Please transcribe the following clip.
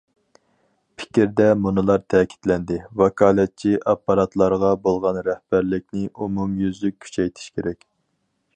« پىكىر» دە مۇنۇلار تەكىتلەندى: ۋاكالەتچى ئاپپاراتلارغا بولغان رەھبەرلىكنى ئومۇميۈزلۈك كۈچەيتىش كېرەك.